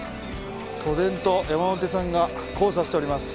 都電と山手線が交差しております。